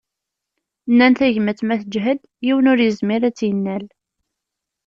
Nnan tagmat ma teǧhed, yiwen ur yezmir ad tt-yennal.